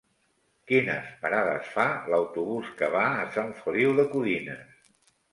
Quines parades fa l'autobús que va a Sant Feliu de Codines?